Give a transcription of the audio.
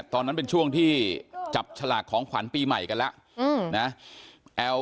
ตอนนั้นเป็นช่วงที่จับฉลากของขวัญปีใหม่กันแล้วนะ